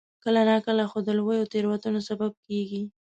کله ناکله خو د لویو تېروتنو سبب کېږي.